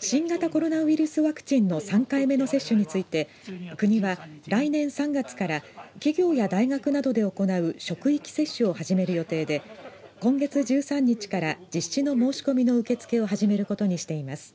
新型コロナウイルスワクチンの３回目の接種について国は、来年３月から企業や大学などで行う職域接種を始める予定で今月１３日から実施の申し込みの受け付けを始めることにしています。